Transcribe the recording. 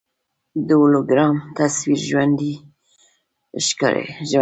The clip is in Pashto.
د هولوګرام تصویر ژوندی ښکاري.